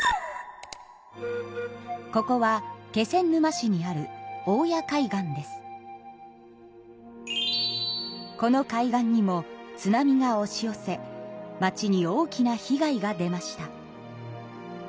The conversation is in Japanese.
ここは気仙沼市にあるこの海岸にも津波がおし寄せ町に大きな被害が出ました。